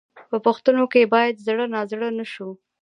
په پوښتنو کې باید زړه نازړه نه شو.